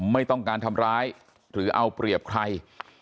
ไม่ต้องการทำร้ายหรือเอาเปรียบใคร